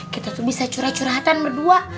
kita tuh bisa curah curah hatan berdua